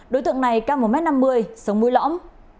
đối tượng này cao một m năm mươi sống mũi lõm